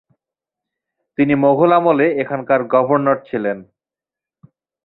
তিনি মোঘল আমলে এখানকার গভর্নর ছিলেন।